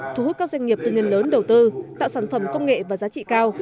thu hút các doanh nghiệp tư nhân lớn đầu tư tạo sản phẩm công nghệ và giá trị cao